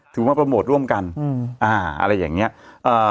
ถือว่าโปรโมทร่วมกันอืมอ่าอะไรอย่างเงี้ยเอ่อ